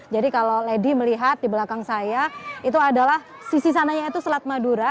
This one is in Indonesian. jadi kalau lady melihat di belakang saya itu adalah sisi sananya itu selat madura